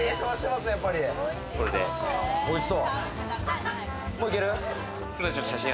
おいしそう！